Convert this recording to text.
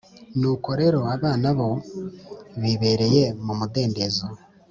Nuko rero abana bo bibereye mu mudendezo